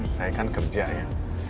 saya kan kerja ya